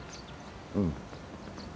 うん。